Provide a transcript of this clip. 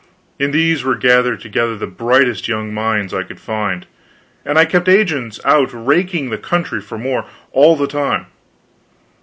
In these were gathered together the brightest young minds I could find, and I kept agents out raking the country for more, all the time.